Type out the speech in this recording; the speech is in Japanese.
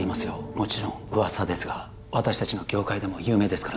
もちろん噂ですが私たちの業界でも有名ですからね